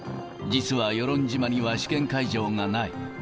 実は与論島には試験会場がない。